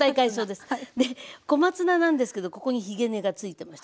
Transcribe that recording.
で小松菜なんですけどここにひげ根がついてました。